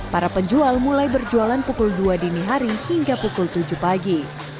para penjual mulai berjualan pukul dua dini hari hingga pukul tujuh pagi